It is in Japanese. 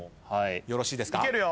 よろしいですか？